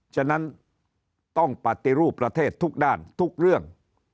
ฉะนั้นต้องปฏิรูปประเทศทุกด้านทุกเรื่อง